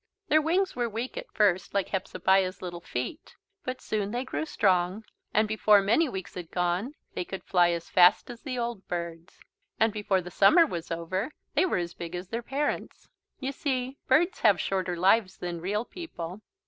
Their wings were weak at first like Hepzebiah's little feet. But soon they grew strong and before many weeks had gone they could fly as fast as the old birds. And before the summer was over they were as big as their parents. You see birds have shorter lives than real people.